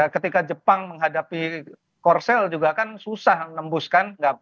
ketika jepang menghadapi korsel juga kan susah menembuskan